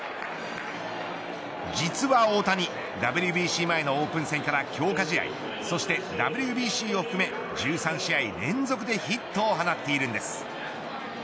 実は大谷ＷＢＣ前のオープン戦から強化試合、そしてＷＢＣを含め１３試合連続でヒットを放っているんです。